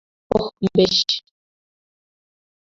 ওহ, বেশ।